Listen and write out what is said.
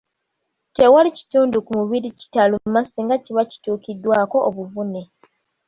Tewali kitundu ku mubiri kitaluma singa kiba kituukiddwako obuvune.